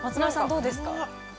どうですか？